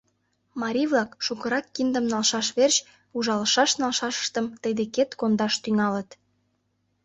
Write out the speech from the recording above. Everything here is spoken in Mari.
Марий-влак шукырак киндым налшаш верч ужалышаш-налшашыштым тый декет кондаш тӱҥалыт...